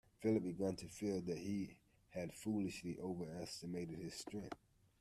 Philip began to feel that he had foolishly overestimated his strength.